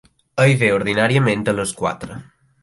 Ell ve ordinàriament a les quatre.